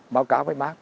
báo cáo với bác